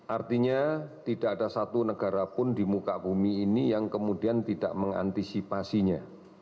artinya tidak ada satu negara pun di muka bumi ini yang kemudian tidak mengantisipasinya